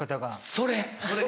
それ！